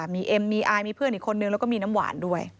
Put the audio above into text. มีเอ็มมีอายมีเพื่อนอีกคนนึงแล้วก็มีน้ำหวานด้วย